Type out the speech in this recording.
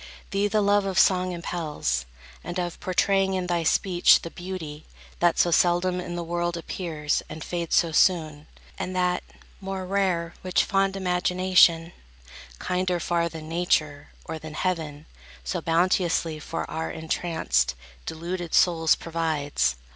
Thee the love of song Impels, and of portraying in thy speech The beauty, that so seldom in the world Appears and fades so soon, and that, more rare Which fond imagination, kinder far Than Nature, or than heaven, so bounteously For our entranced, deluded souls provides.